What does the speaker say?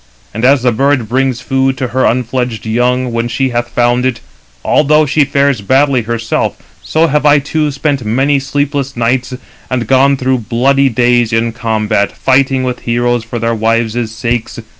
And as the bird brings food to her unfledged young when she hath found it, although she fares badly herself; so have I too spent many sleepless nights, and gone through bloody days in combat, fighting with heroes for their wives' sakes.